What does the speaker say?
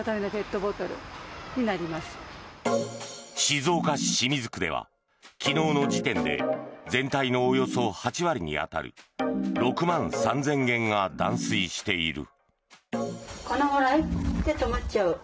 静岡市清水区では昨日の時点で全体のおよそ８割に当たる６万３０００軒が断水している。